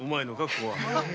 ここは。